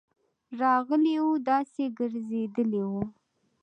راغلی وو، داسي ګرځيدلی وو: